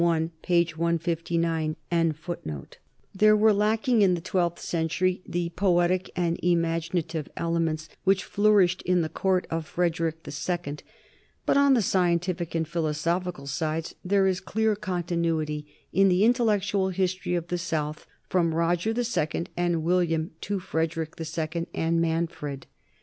159. 240 NORMANS IN EUROPEAN HISTORY There were lacking in the twelfth century the poetic and imaginative elements which flourished at the court of Frederick II, but on the scientific and philosophical sides there is clear continuity in the intellectual history of the south from Roger II and William to Frederick II and Manfred.